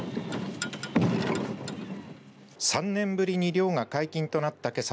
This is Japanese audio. ３年ぶりに漁が解禁となったけさ